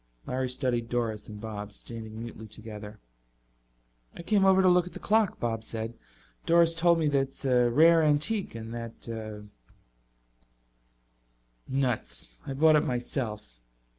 Larry studied Doris and Bob, standing mutely together. "I came over to look at the clock," Bob said. "Doris told me that it's a rare antique and that " "Nuts. I bought it myself."